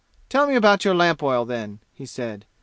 "Tell me about your lamp oil, then," he said.